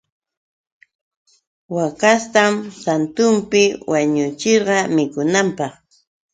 Hakashtam santunpi wañuchirqa mikunanpaq.